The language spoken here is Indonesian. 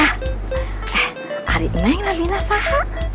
eh tarik neng naminah sahak